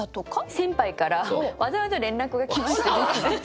先輩からわざわざ連絡が来まして。